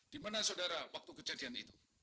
dimana saudara waktu kejadian itu